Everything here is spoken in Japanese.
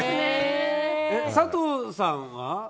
佐藤さんは？